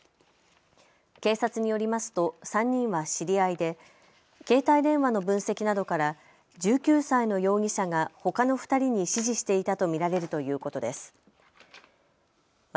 警察によりますと３人は知り合いで携帯電話の分析などから１９歳の容疑者が、ほかの２人に指示していたと見られるということです。